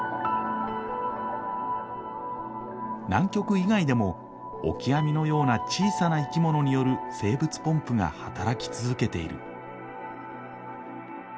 南極以外でもオキアミのような小さな生き物による生物ポンプが働き続けている。